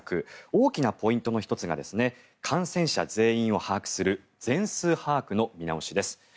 大きなポイントの１つが感染者全員を把握する全数把握の見直しです。